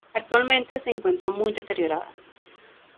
Actualmente se encuentra muy deteriorada.